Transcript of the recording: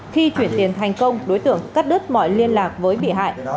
khi chuyển tiền thành công đối tượng cắt đứt mọi liên lạc với bị hại